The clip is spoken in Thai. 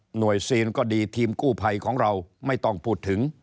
ซีนก็ดีทีมกู้ภัยของเราไม่ต้องพูดถึง